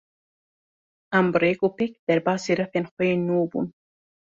Em bi rêk û pêk derbasî refên xwe yên nû bûn.